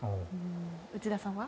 内田さんは？